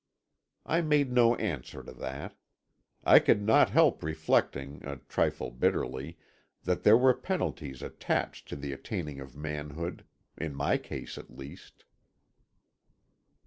I made no answer to that. I could not help reflecting, a trifle bitterly, that there were penalties attached to the attaining of manhood—in my case, at least.